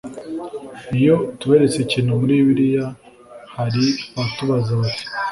iyo tuberetse ikintu muri bibiliya hari abatubaza bati